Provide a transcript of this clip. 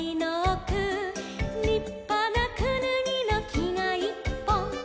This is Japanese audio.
「りっぱなくぬぎのきがいっぽん」